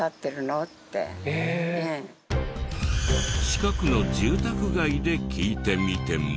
近くの住宅街で聞いてみても。